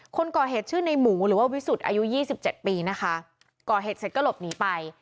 คนก่อเหตุชื่อในหมูหรือว่าวิสุทธิ์อายุยี่สิบเจ็ดปีนะคะก่อเหตุเสร็จก็หลบหนีไป